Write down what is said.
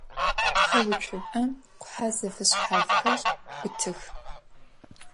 Къухьэуцупӏэм къухьэ зэфэшъхьафхэр ӏутых.